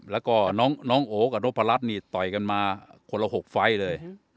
แล้วก็น้องโอกับนพรัชนี่ต่อยกันมาคนละ๖ไฟล์เลย